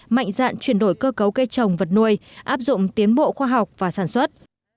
mạnh dạn chuyển đổi cơ cấu cây trồng vật nuôi áp dụng tiến bộ khoa học và sản xuất